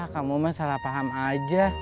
kamu mah salah paham aja